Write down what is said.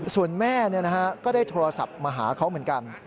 ส่วนแม่ก็ได้โทรศัพท์มาหาเขาเหมือนกัน